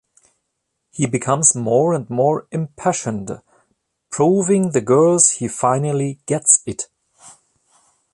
He becomes more and more impassioned, proving to the girls he finally "gets it".